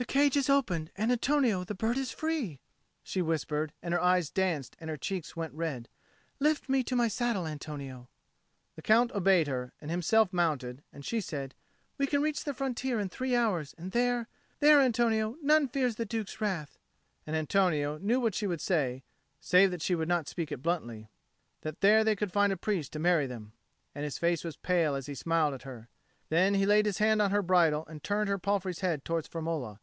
"The cage is opened, and, Antonio, the bird is free," she whispered, and her eyes danced and her cheek went red. "Lift me to my saddle, Antonio." The Count obeyed her, and himself mounted; and she said, "We can reach the frontier in three hours, and there there, Antonio, none fears the Duke's wrath." And Antonio knew what she would say, save that she would not speak it bluntly that there they could find a priest to marry them. And his face was pale as he smiled at her. Then he laid his hand on her bridle and turned her palfrey's head towards Firmola.